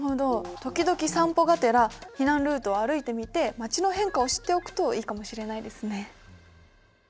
時々散歩がてら避難ルートを歩いてみて街の変化を知っておくといいかもしれないですね。